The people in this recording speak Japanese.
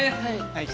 はい。